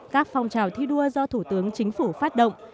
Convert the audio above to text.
các phong trào thi đua do thủ tướng chính phủ phát động